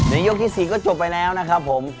ยกที่๔ก็จบไปแล้วนะครับผม